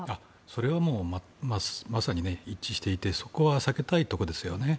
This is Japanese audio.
それはまさに一致していてそこは避けたいところですね。